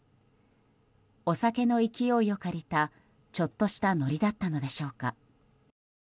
お酒の勢いを借りたちょっとしたノリだったのでしょうか。